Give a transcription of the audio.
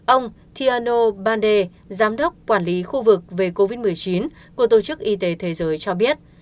ông piano bande giám đốc quản lý khu vực về covid một mươi chín của tổ chức y tế thế giới cho biết